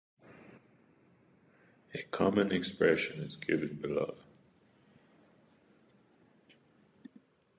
A common expression is given below.